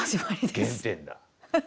原点だ。